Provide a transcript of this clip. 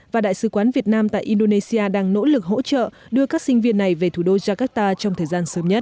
và đại sứ quán việt nam tại indonesia đang nỗ lực hỗ trợ đưa các sinh viên này về thủ đô jakarta trong thời gian sớm nhất